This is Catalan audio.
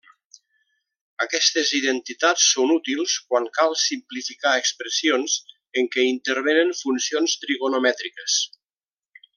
Aquestes identitats són útils quan cal simplificar expressions en què intervenen funcions trigonomètriques.